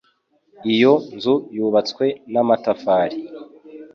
Iyo nzu yubatswe n'amatafari.